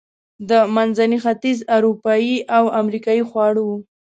د منځني ختیځ، اروپایي او امریکایي خواړه و.